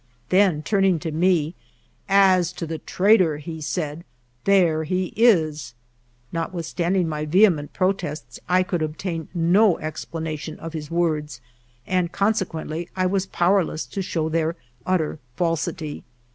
Then, turning to me, " As to the traitor," he said, " there he is !" Not withstanding my vehement protests, I could obtain no explanation of his words ; and consequently I was powerless to show their utter falsity.